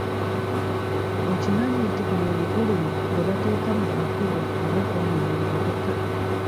Okimanyi nti buno obugulumo bwe bateeka mu makubo nabwo bwonoona emmotoka?